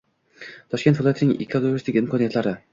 Toshkent viloyatining ekoturistik imkoniyatlari